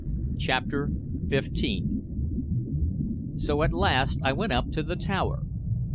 CHAPTER XV So at last I went up to the tower.